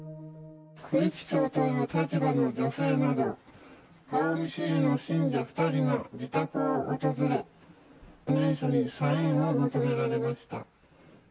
区域長という立場の女性など、顔見知りの信者２人が自宅を訪れ、念書にサインを求められました。